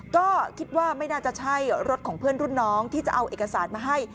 ก็คิดว่าไม่น่าจะใช่รถของเพื่อนรุ่นน้องที่จะเอาเอกสารมาให้